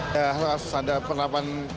ya harus ada penelapan